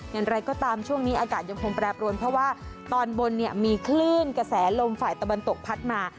อย่างไรก็ตามช่วงนี้อากาศยังคงแปรปรวนเพราะว่าตอนบนเนี่ยมีคลื่นกระแสลมฝ่ายตะวันตกพัดมา